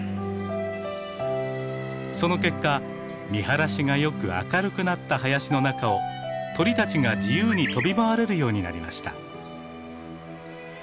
その結果見晴らしがよく明るくなった林の中を鳥たちが自由に飛び回れるようになりました。